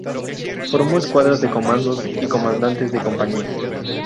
Formó escuadras de comandos y comandantes de compañía.